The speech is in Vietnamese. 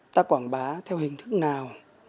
ta quảng bá theo hình thức nào